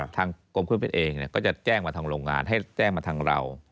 ทางกรมเครื่องบินเองก็จะแจ้งมาทางโรงงานให้แจ้งมาทางเรา